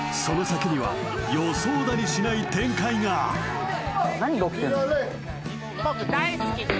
その先には予想だにしない展開が僕大好き